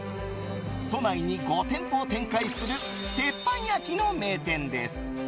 都内に５店舗を展開する鉄板焼きの名店です。